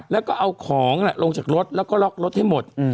แล้วก็เอาของลงจากรถแล้วก็ล็อกรถให้หมด